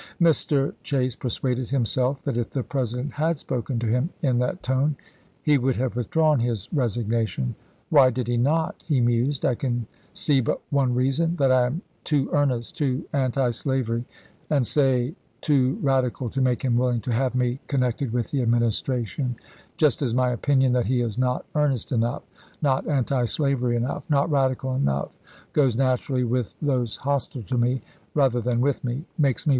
Mr. Chase persuaded him self that if the President had spoken to him in that tone he would have withdrawn his resignation. " Why did he not ?" he mused. " I can see but one reason — that I am too earnest, too antislavery, and, say, too radical to make him willing to have me con nected with the Administration: just as my opinion that he is not earnest enough, not antislavery enough, not radical enough, but goes naturally with those hostile to me, rather than with me, makes me ibid.